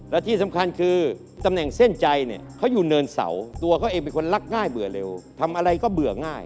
และที่สำคัญคือตำแหน่งเส้นใจเนี่ยเขาอยู่เนินเสาตัวเขาเองเป็นคนรักง่ายเบื่อเร็วทำอะไรก็เบื่อง่าย